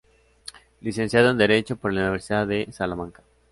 Licenciado en Derecho por la Universidad de Salamanca.